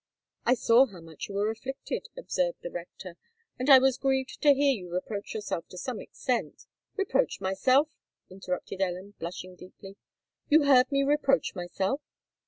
"I saw how much you were afflicted," observed the rector; "and I was grieved to hear you reproach yourself to some extent——" "Reproach myself!" interrupted Ellen, blushing deeply. "You heard me reproach myself?"